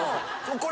これ。